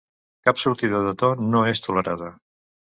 Cap sortida de to no és tolerada.